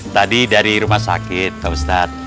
tadi dari rumah sakit ustadz